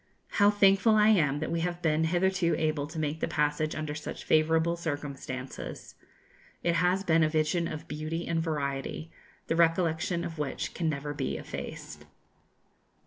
How thankful I am that we have been hitherto able to make the passage under such favourable circumstances! It has been a vision of beauty and variety, the recollection of which can never be effaced.